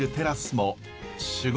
も